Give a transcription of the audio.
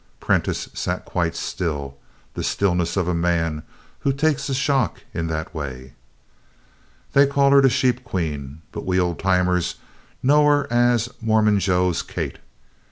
Prentiss sat quite still the stillness of a man who takes a shock in that way. "They call her the 'Sheep Queen,' but we Old Timers know her as 'Mormon Joe's Kate.'